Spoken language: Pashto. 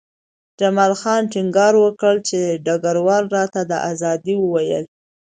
جمال خان ټینګار وکړ چې ډګروال راته د ازادۍ وویل